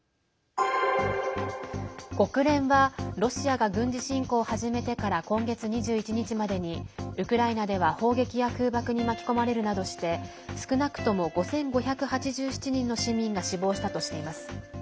国連はロシアが軍事侵攻を始めてから今月２１日までにウクライナでは砲撃や空爆に巻き込まれるなどして少なくとも５５８７人の市民が死亡したとしています。